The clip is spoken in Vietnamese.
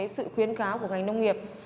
sự khuyến kháo của ngành nông nghiệp